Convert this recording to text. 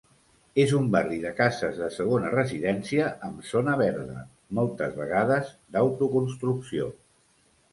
És un barri de cases de segona residència amb zona verda, moltes vegades d'autoconstrucció.